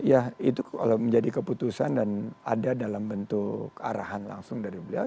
ya itu kalau menjadi keputusan dan ada dalam bentuk arahan langsung dari beliau